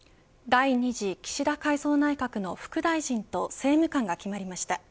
第２次岸田改造内閣の副大臣と政務官が決まりました。